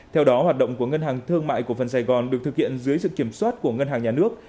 theo đó hoạt động của ngân hàng thương mại cổ phần sài gòn được thực hiện dưới sự kiểm soát của ngân hàng nhà nước